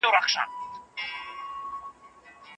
که تخنيک نه وي توليد نه زياتيږي.